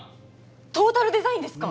トータルデザインですか！？